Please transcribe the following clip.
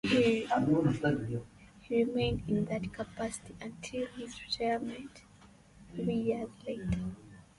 He remained in that capacity until his retirement three years later.